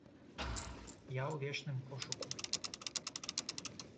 Я ў вечным пошуку.